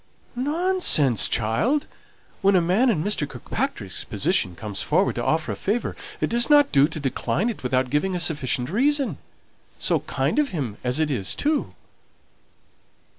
"Nonsense, child! When a man in Mr. Kirkpatrick's position comes forward to offer a favour, it does not do to decline it without giving a sufficient reason. So kind of him as it is, too!"